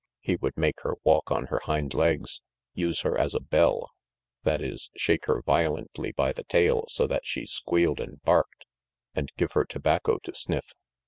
He would make her walk on her hind legs, use her as a bell, that is, shake her violently by the tail so that she squealed and barked, and give her tobacco to sniff